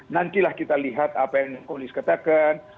nantilah kita lihat apa yang kondisi katakan